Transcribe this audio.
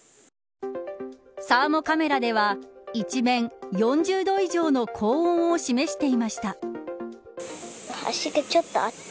サーモカメラでは一面４０度以上の高温を示していました。